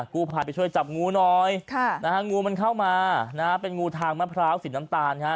กู้ภัยไปช่วยจับงูหน่อยงูมันเข้ามานะฮะเป็นงูทางมะพร้าวสีน้ำตาลฮะ